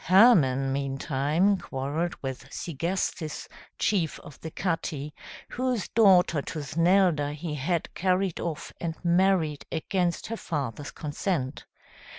Hermann meantime quarrelled with Segestes, chief of the Catti, whose daughter Tusnelda, he had carried off and married against her father's consent.